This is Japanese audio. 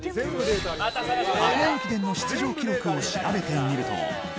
箱根駅伝の出場記録を調べてみると。